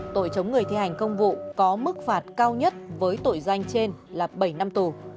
tội chống người thi hành công vụ có mức phạt cao nhất với tội danh trên là bảy năm tù